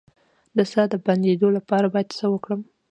د ساه د بندیدو لپاره باید څه وکړم؟